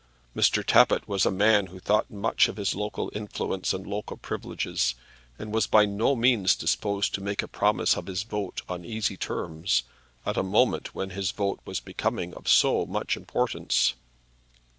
Mr. Tappitt was a man who thought much of his local influence and local privileges, and was by no means disposed to make a promise of his vote on easy terms, at a moment when his vote was becoming of so much importance.